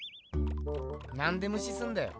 なんでむしすんだよ。